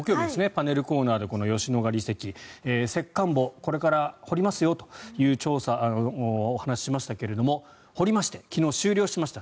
パネルコーナーで吉野ヶ里遺跡石棺墓、これから掘りますよという調査、お話ししましたが掘りまして、昨日終了しました。